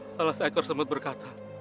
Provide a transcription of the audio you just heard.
salah seekor semut berkata